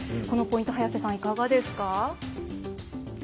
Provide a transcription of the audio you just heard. このポイント早瀬さん、いかがですか？